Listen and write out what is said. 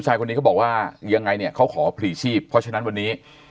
ชายคนนี้เขาบอกว่ายังไงเนี่ยเขาขอผลีชีพเพราะฉะนั้นวันนี้